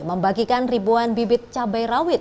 membagikan ribuan bibit cabai rawit